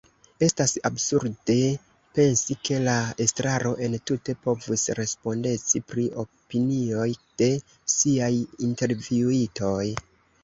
Estas absurde pensi ke la estraro entute povus respondeci pri opinioj de “siaj” intervjuitoj.